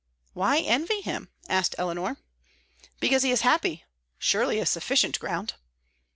"Why envy him?" asked Eleanor. "Because he is happy; surely a sufficient ground."